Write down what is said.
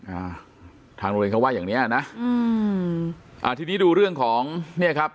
อ่าทางโรงเรียนเขาว่าอย่างเนี้ยนะอืมอ่าทีนี้ดูเรื่องของเนี้ยครับ